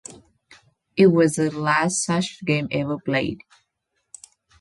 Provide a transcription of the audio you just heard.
It was the last such game ever played.